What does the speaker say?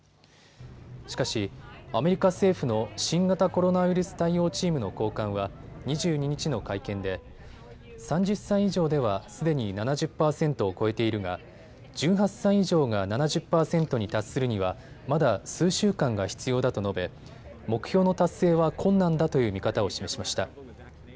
しかし、アメリカ政府の新型コロナウイルス対応チームの高官は２２日の会見で３０歳以上ではすでに７０％を超えているが１８歳以上が７０％に達するにはまだ数週間が必要だと述べ目標の達成は困難だという見方を示しました。